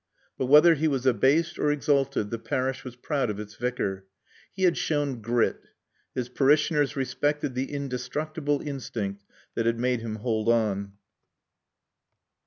But, whether he was abased or exalted, the parish was proud of its Vicar. He had shown grit. His parishioners respected the indestructible instinct that had made him hold on.